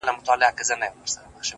د ژوند يې يو قدم سو شپه خوره سوه خدايه